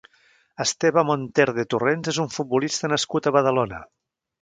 Esteve Monterde Torrents és un futbolista nascut a Badalona.